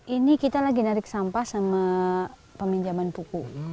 ini kita lagi narik sampah sama peminjaman buku